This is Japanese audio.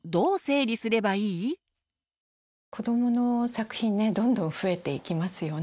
子どもの作品どんどん増えていきますよね。